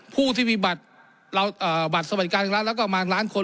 ผู้ที่มีบัตรเราอ่าบัตรสวัสดิการรัฐแล้วก็ประมาณล้านคน